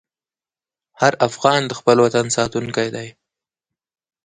هر افغان د خپل وطن ساتونکی دی.